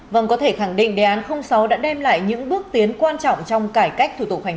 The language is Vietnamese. vâng có thể khẳng định đề án sáu đã đem lại những bước tiến quan trọng trong cải cách thủ tục hành